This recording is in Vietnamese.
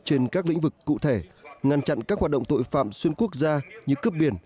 trên các lĩnh vực cụ thể ngăn chặn các hoạt động tội phạm xuyên quốc gia như cướp biển